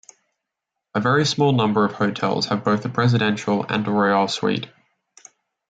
A very small number of hotels have both a Presidential and a Royal suite.